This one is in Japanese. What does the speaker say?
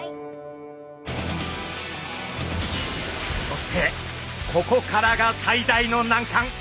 そしてここからが最大の難関。